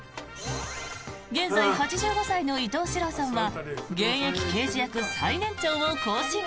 現在８５歳の伊東四朗さんは現役刑事役最年長を更新。